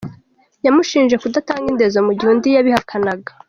Yamushinje kudatanga indezo mu gihe undi yabihakanaga.